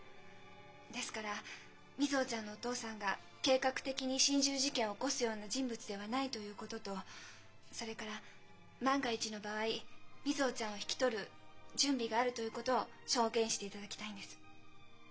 ですから瑞穂ちゃんのお父さんが計画的に心中事件を起こすような人物ではないということとそれから万が一の場合瑞穂ちゃんを引き取る準備があるということを証言していただきたいんです。